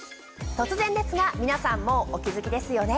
突然ですが皆さんもうお気付きですよね。